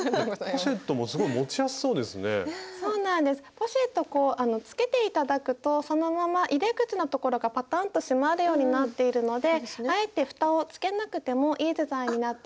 ポシェットこうつけて頂くとそのまま入れ口のところがパタンと閉まるようになっているのであえてふたをつけなくてもいいデザインになっています。